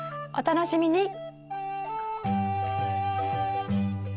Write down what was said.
お楽しみに。